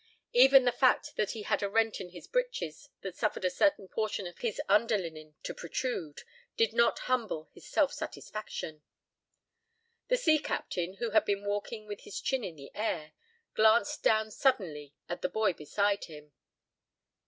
Even the fact that he had a rent in his breeches that suffered a certain portion of his underlinen to protrude did not humble his self satisfaction. The sea captain, who had been walking with his chin in the air, glanced down suddenly at the boy beside him.